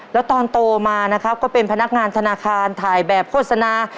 แล้วตอนโตมานะครับก็เป็นพนักงานธนาคารถ่ายแบบโฆษณา